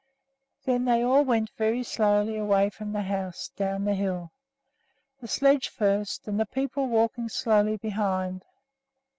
Then they all went slowly away from the house, down the hill, the sledge first and the people walking slowly behind.